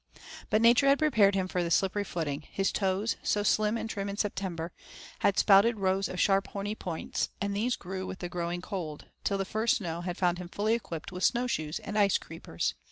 But nature had prepared him for the slippery footing; his toes, so slim and trim in September, had sprouted rows of sharp, horny points, and these grew with the growing cold, till the first snow had found him fully equipped with snow shoes and icecreepers.